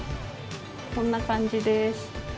こんな感じです。